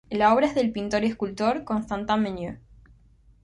La obra es del pintor y escultor, Constantin Meunier.